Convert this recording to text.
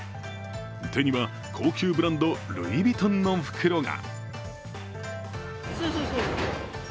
手には高級ブランドルイヴィトンの袋が。